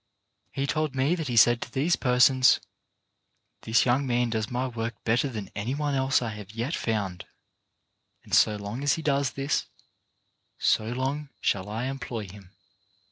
" He told me that he said to these persons : "This young man does my work better than any one else I have yet found, and so long as he does this, so long shall I employ him."